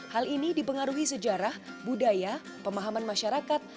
hal ini dipengaruhi sejarah budaya pemahaman masyarakat